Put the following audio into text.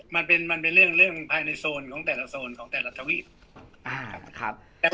มันเป็นเรื่องภายในโซนของแต่ละโซนของแต่ละทวีป